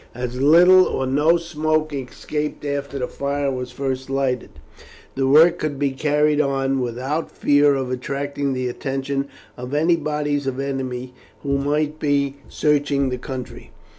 As little or no smoke escaped after the fire was first lighted, the work could be carried on without fear of attracting the attention of any bodies of the enemy who might be searching the country.